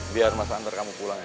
biar mas antar kamu pulang ya